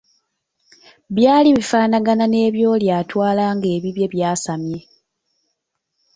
Byaali bifaanagana n’ebyoli atwala ng’ebibye byasamye.